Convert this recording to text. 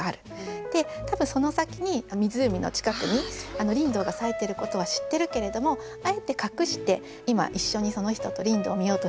で多分その先に湖の近くにリンドウが咲いてることは知ってるけれどもあえて隠して今一緒にその人とリンドウを見ようとしてる。